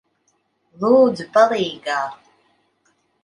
Lūdzu, palīgā!